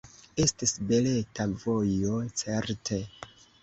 Estis beleta vojo, certe!